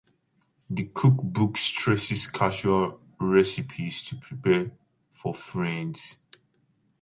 The cookbook stresses casual recipes to prepare for friends.